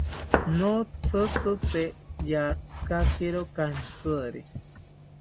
Notzitzite ratzikakiro kantziri